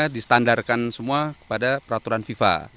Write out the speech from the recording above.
distandarkan semua kepada peraturan fifa